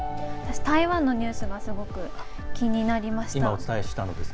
台湾のニュースがすごく気になりました。